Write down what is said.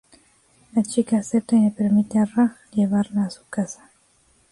La chica acepta y le permite a Raj llevarla a su casa.